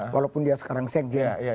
walaupun dia sekarang sekjen